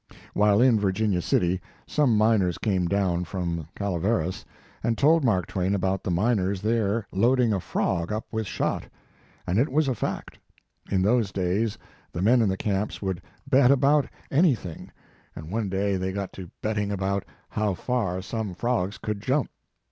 While in Virginia City, some miners came down from Calaveras, and told Mark Twain about the miners there loading a frog up with shot. And it was a fact. In those days the men in the camps would bet about anything, and 44 Mark Twain one day they got to betting about how far some frogs could jump.